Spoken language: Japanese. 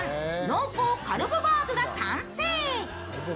濃厚カルボバーグが完成。